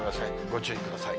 ご注意ください。